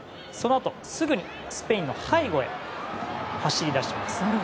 あと、すぐスペインの背後へ走り出します。